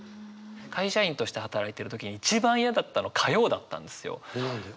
会社員として働いてる時に一番嫌だったの火曜だったんですよ。何で？